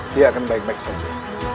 dia akan baik baik saja